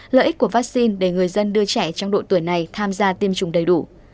lợi ích của vaccine để người dân đưa trẻ trong độ tuổi này tham gia tiêm chủng đầy đủ